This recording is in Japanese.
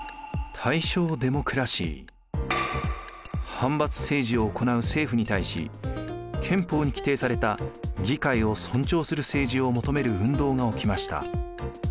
藩閥政治を行う政府に対し憲法に規定された議会を尊重する政治を求める運動が起きました。